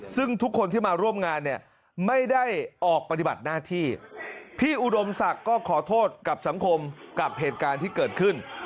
ซึ่งทุกคนที่มาร่วมงานเนี่ยไม่ได้ออกปฏิบัติหน้าที่พี่อุดมศักดิ์ก็ขอโทษกับสังคมกับเหตุการณ์ที่เกิดขึ้น